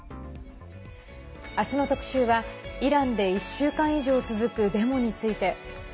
明日の特集は、イランで１週間以上続くデモについて。